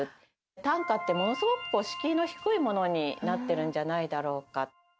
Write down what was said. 短歌って、ものすごく敷居の低いものになってるんじゃないだろう